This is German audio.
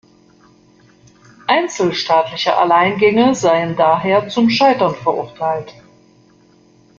Einzelstaatliche Alleingänge seien daher zum Scheitern verurteilt.